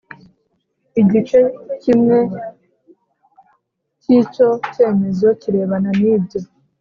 igice cyimwe cy icyo cyemezo kirebana nibyo